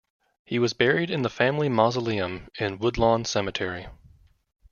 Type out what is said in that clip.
He was buried in the family mausoleum in Woodlawn Cemetery.